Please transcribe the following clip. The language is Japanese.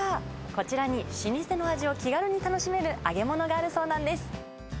こちらに、老舗の味を気軽に楽しめる揚げ物があるそうなんです。